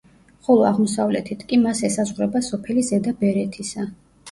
ხოლო აღმოსავლეთით კი მას ესაზღვრება სოფელი ზედა ბერეთისა.